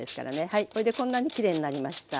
はいそれでこんなにきれいになりました。